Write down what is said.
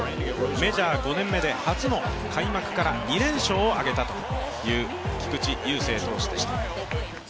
メジャー５年目で初の開幕から２連勝を挙げたという菊池雄星投手でした。